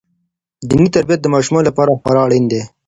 دیني تربیت د ماشومانو لپاره خورا اړین دی.